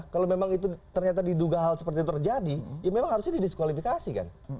kalau memang itu ternyata diduga hal seperti itu terjadi ya memang harusnya didiskualifikasi kan